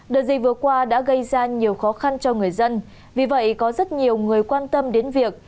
đợt gì vừa qua đã gây ra nhiều khó khăn cho người dân vì vậy có rất nhiều người quan tâm đến việc